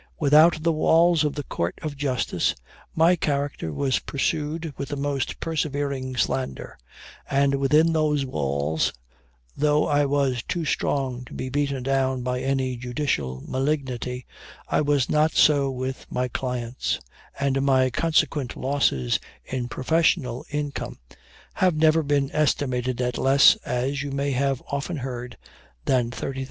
Without the walls of the court of justice, my character was pursued with the most persevering slander; and within those walls, though I was too strong to be beaten down by any judicial malignity, it was not so with my clients, and my consequent losses in professional income have never been estimated at less, as you must have often heard, than £30,000."